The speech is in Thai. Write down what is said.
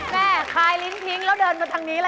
คลายลิ้นทิ้งแล้วเดินมาทางนี้เลย